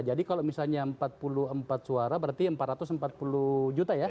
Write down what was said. jadi kalau misalnya empat puluh empat suara berarti empat ratus empat puluh juta ya